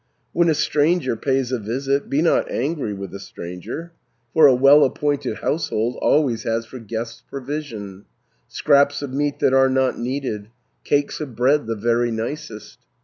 "When a stranger pays a visit, Be not angry with the stranger, For a well appointed household, Always has for guests provision: Scraps of meat that are not needed, Cakes of bread the very nicest.